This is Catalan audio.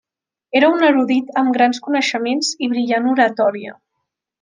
Era un erudit amb grans coneixements i brillant oratòria.